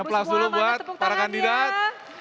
berikan aplaus dulu buat para kandidat